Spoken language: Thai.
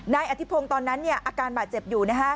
นายอธิพงศ์ตอนนั้นอาการบาดเจ็บอยู่